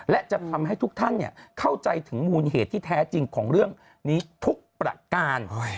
และจะทำให้ทุกท่านเข้าใจถึงมูลเหตุที่แท้จริงของเรื่องนี้ทุกประการ